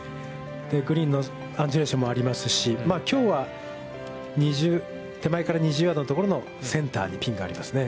グリーンのアンジュレーションもありますし、きょうは手前から２０ヤードのところのセンターにピンがありますね。